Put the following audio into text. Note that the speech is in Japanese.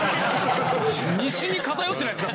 西に偏ってないですか？